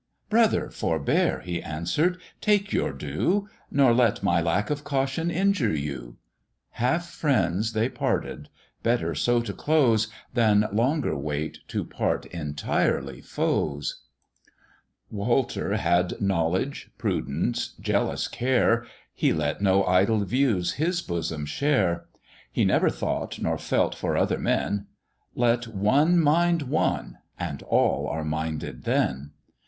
"Brother forbear," he answer'd; "take your due, Nor let my lack of caution injure you:" Half friends they parted, better so to close, Than longer wait to part entirely foes. Walter had knowledge, prudence, jealous care; He let no idle views his bosom share; He never thought nor felt for other men "Let one mind one, and all are minded then."